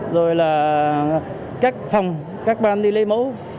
rồi là các phòng các ban đi lấy mẫu